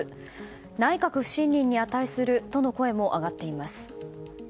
内閣不信任に値するとの声も上がっています。